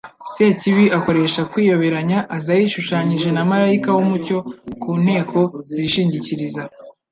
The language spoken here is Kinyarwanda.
sekibi akoresha kwiyoberanya. Aza yishushanyije na malayika w'umucyo ku nteko zishingikiriza "